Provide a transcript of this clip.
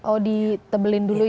oh ditebelin dulu ya